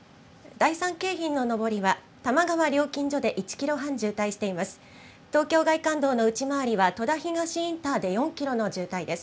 第３京浜の上りは、多摩川料金所で１キロ半渋滞しています。